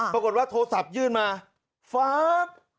ปรากฏว่าโทรศัพท์ยื่นมาฟั๊บ